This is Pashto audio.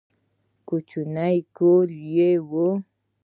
کوچنی کور یې و.